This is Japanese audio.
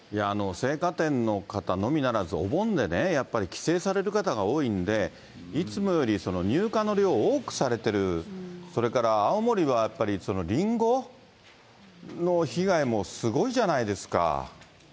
青果店の方のみならず、お盆でね、やっぱり帰省される方が多いんで、いつもより入荷の量、多くされてる、それから青森はやっぱり、リンゴの被害もすごいじゃないですか。